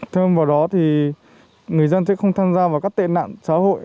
thêm vào đó thì người dân sẽ không tham gia vào các tệ nạn xã hội